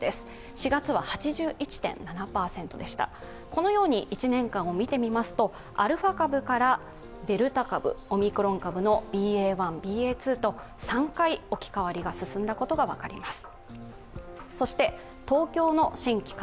このように１年間を見てみますとアルファ株からデルタ株、オミクロン株、ＢＡ．２３回置き換わりが進んだことが分かります。